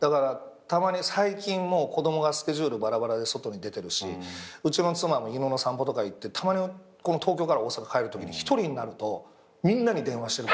最近子供がスケジュールバラバラで外に出てるしうちの妻も犬の散歩とか行ってたまに東京から大阪帰るときに１人になるとみんなに電話してるもん。